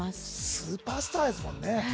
スーパースターですもんね。